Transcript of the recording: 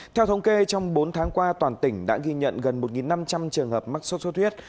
theo thống kê trong bốn tháng qua toàn tỉnh đã ghi nhận gần một năm trăm linh trường hợp mắc sốt xuất huyết